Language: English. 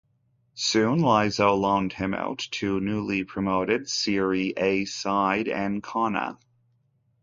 Soon, Lazio loaned him out to newly promoted Serie A side Ancona.